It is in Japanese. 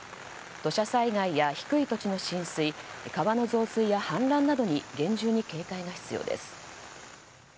土砂災害や低い土地の浸水川の増水や氾濫などに厳重に警戒が必要です。